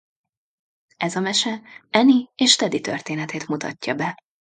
Ez a mese Annie és Teddy történetét mutatja be.